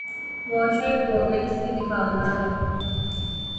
معاشرے کو اگر اس سے نکالنا ہے۔